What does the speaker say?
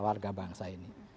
warga bangsa ini